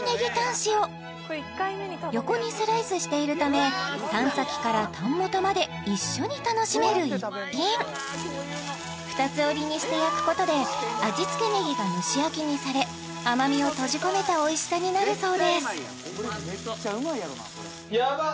塩横にスライスしているためタン先からタン元まで一緒に楽しめる逸品二つ折りにして焼くことで味付けネギが蒸し焼きにされ甘みを閉じ込めたおいしさになるそうですやばっ！